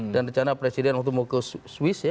dan rencana presiden waktu mau ke swiss ya